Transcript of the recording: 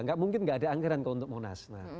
tidak mungkin tidak ada anggaran untuk monas